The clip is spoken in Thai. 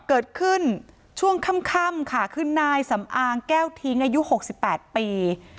เกิดขึ้นช่วงค่ำค่ำค่ะคืนนายสำอางแก้วทิ้งอายุหกสิบแปดปี